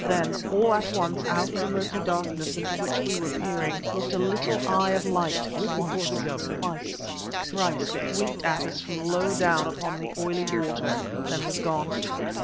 Then, all at once out of the murky darkness into which we were peering, looked a little eye of light once, twice, thrice it winked at us from low down upon the oily water; then was gone.